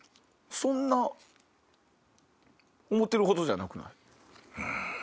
そんな思ってるほどじゃなくない？